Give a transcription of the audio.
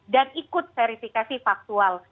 dan ikut verifikasi faktual